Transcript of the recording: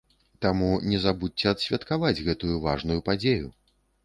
Таму не забудзьце адсвяткаваць гэтую важную падзею!